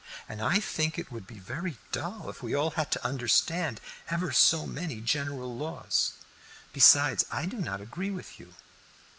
And I think it would be very dull if we all had to understand ever so many general laws. Besides, I do not agree with you."